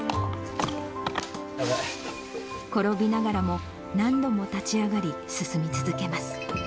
転びながらも、何度も立ち上がり、進み続けます。